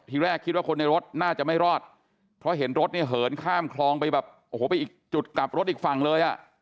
ทีแรกคิดว่าคนในรถน่าจะไม่รอดเพราะเห็นรถเนี่ยเหินข้ามคลองไปแบบโอ้โหไปอีกจุดกลับรถอีกฝั่งเลยอ่ะ